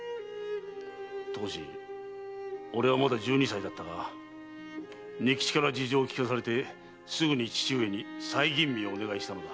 当時俺はまだ十二歳だったが仁吉から事情を聞かされてすぐに父上に再吟味をお願いしたのだ。